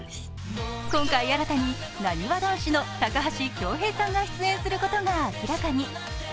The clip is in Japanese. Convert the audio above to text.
今回新たになにわ男子の高橋恭平さんが出演することが明らかに。